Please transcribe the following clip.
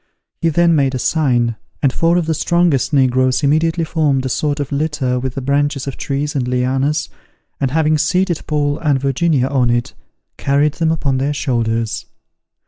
He then made a sign, and four of the strongest negroes immediately formed a sort of litter with the branches of trees and lianas, and having seated Paul and Virginia on it, carried them upon their shoulders.